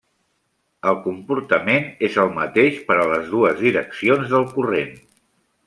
El comportament és el mateix per a les dues direccions del corrent.